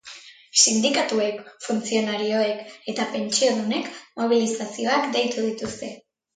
Sindikatuek, funtzionarioek eta pentsiodunek mobilizazioak deitu dituzte.